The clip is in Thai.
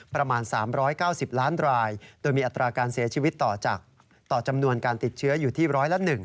ประมาณ๓๙๐ล้านรายโดยมีอัตราการเสียชีวิตต่อจำนวนการติดเชื้ออยู่ที่ร้อยละ๑